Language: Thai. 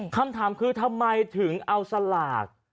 คำถามคือทำไมถึงเอาสลาก